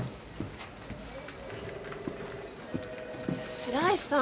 白石さん。